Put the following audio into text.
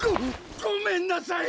ごめんなさい！